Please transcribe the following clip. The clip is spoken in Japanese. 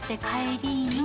「りーの」？